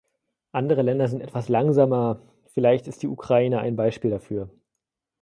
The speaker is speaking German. Andere Länder sind etwas langsamer vielleicht ist die Ukraine ein Beispiel dafür.